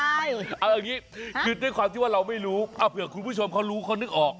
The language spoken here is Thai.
เอาอย่างนี้คือด้วยความที่ว่าเราไม่รู้เผื่อคุณผู้ชมเขารู้เขานึกออก